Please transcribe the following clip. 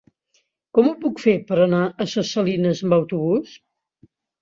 Com ho puc fer per anar a Ses Salines amb autobús?